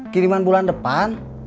kiriman bulan depan